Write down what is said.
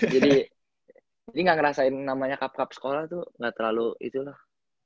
jadi gak ngerasain namanya cup cup sekolah tuh gak terlalu itu loh